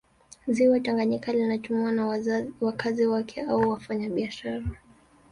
Ziwa Tanganyika linatumiwa na wakazi wake au wafanya biashara